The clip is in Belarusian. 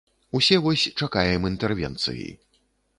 Усе вось чакаем інтэрвенцыі.